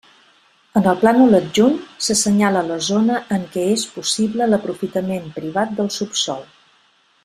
En el plànol adjunt s'assenyala la zona en què és possible l'aprofitament privat del subsòl.